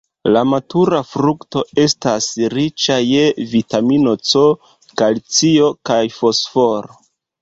La matura frukto estas riĉa je vitamino C, kalcio kaj fosforo.